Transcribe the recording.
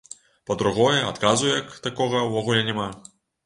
Па-другое, адказу як такога ўвогуле няма.